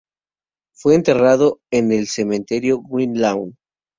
Fue enterrado en el cementerio Green Lawn.